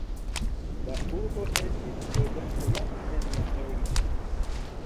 La urbo estis loĝata jam en la neolitiko.